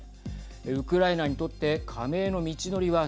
ウクライナにとって加盟の道のりは